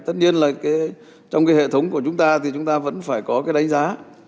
tất nhiên là trong cái hệ thống của chúng ta thì chúng ta vẫn phải có cái đánh giá